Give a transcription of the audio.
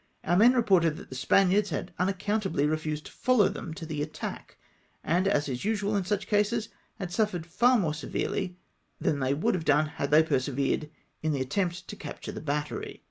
Our men reported that the Spaniards had un accountably refused to follow them to the attack, and, as is usual in such cases, had suffered far more severely than they would have done had they per 300 THE FREXCII EEDOUBLE THEIR EFFORTS. severed in the attempt to capture the loattery.